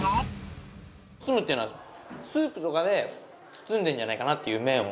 包むっていうのはスープとかで包んでるんじゃないかなっていう麺を。